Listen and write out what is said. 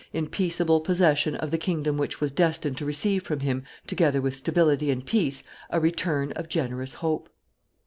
in peaceable possession of the kingdom which was destined to receive from him, together with stability and peace, a return of generous hope.